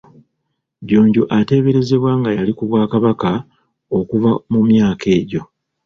Jjunju ateeberezebwa nga yali ku bwakabaka okuva mu myaka egyo.